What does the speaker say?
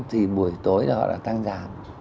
thì buổi tối họ đã tăng giảm